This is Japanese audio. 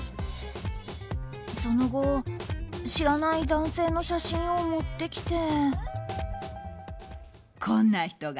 その後、知らない男性の写真を持ってきて。